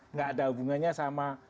nggak ada hubungannya sama senjata barisnya